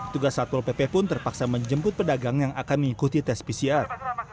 tugas satpol pp pun terpaksa menjemput pedagang yang akan mengikuti tes pcr